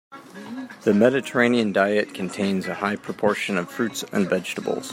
The Mediterranean diet contains a high proportion of fruits and vegetables.